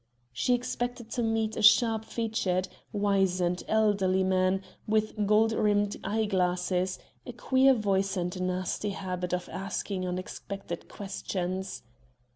She expected to meet a sharp featured, wizened, elderly man, with gold rimmed eye glasses, a queer voice and a nasty habit of asking unexpected questions.